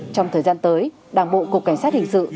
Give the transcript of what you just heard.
trong thời gian tới đảng bộ cục cảnh sát hình sự